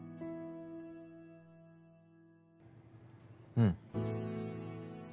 うん。